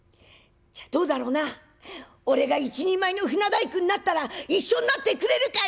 じゃどうだろうな俺が一人前の船大工になったら一緒になってくれるか？」。